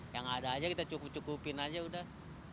yang ada aja kita cukup cukupin aja udah